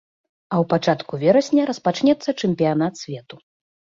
А ў пачатку верасня распачнецца чэмпіянат свету.